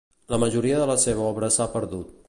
La majoria de la seva obra s'ha perdut.